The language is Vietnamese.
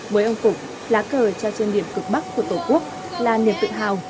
với ông cục lá cờ trao trên điểm cực bắc của tổ quốc là niềm tự hào